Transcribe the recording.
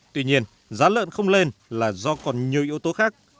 tuy nhiên giá lợn không lên là do còn nhiều yếu tố khác